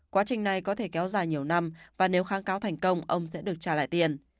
quá trình này có thể kéo dài nhiều năm và nếu kháng cáo thành công ông sẽ được trả lại tiền